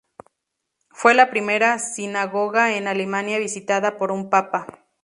Fue la primera sinagoga en Alemania visitada por un Papa.